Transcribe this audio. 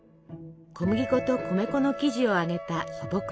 小麦粉と米粉の生地を揚げた素朴なお菓子。